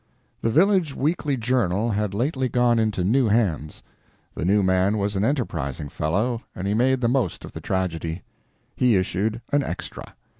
The village weekly journal had lately gone into new hands. The new man was an enterprising fellow, and he made the most of the tragedy. He issued an extra.